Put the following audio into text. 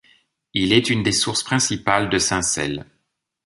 Il est une des sources principales de Syncelle.